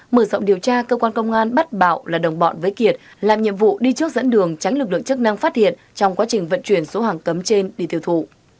mở rộng điều tra cơ quan công an bắt bạo là đồng bọn với kiệt làm nhiệm vụ đi trước dẫn đường tránh lực lượng chức năng phát hiện trong quá trình vận chuyển số hàng cấm trên đi tiêu thụ